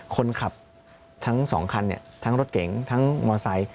คนขับทั้ง๒คันทั้งรถเก๋งทั้งมอไซค์